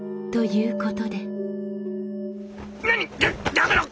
やめろ！